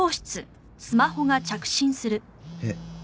えっ？